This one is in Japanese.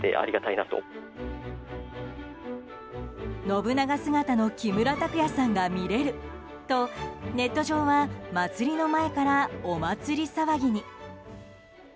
信長姿の木村拓哉さんが見れる！とネット上は祭りの前からお祭り騒ぎに。